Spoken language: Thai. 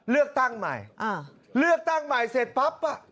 เลือกตั้งใหม่เลือกตั้งใหม่เสร็จปั๊บ